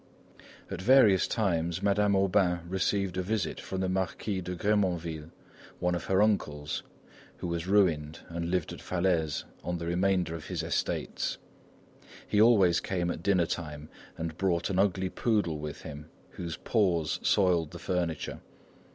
At various times, Madame Aubain received a visit from the Marquis de Grémanville, one of her uncles, who was ruined and lived at Falaise on the remainder of his estates. He always came at dinner time and brought an ugly poodle with him, whose paws soiled the furniture.